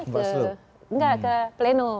bawaslu enggak ke pleno